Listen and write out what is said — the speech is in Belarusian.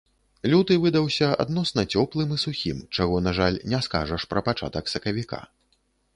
Люты выдаўся адносна цёплым і сухім, чаго, на жаль, не скажаш пра пачатак сакавіка.